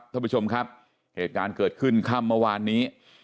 ท่านผู้ชมครับเหตุการณ์เกิดขึ้นค่ำเมื่อวานนี้